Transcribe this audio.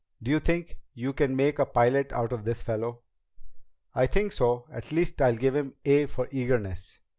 "Do you think you can make a pilot out of this fellow?" "I think so. At least, I give him 'A' for eagerness."